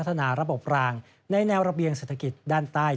ธนาระบบรางในแนวระเบียงเศรษฐกิจด้านใต้